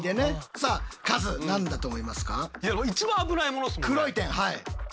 さあカズ何だと思いますか？